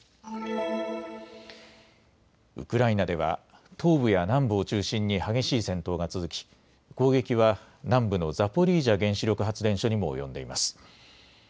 ウクライナでは東部や南部を中心に激しい戦闘が続き攻撃は南部のザポリージャ原子力発電所にも及んでいます。